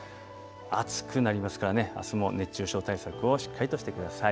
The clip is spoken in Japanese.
暑くなりますからあすも熱中症対策をしっかりとしてください。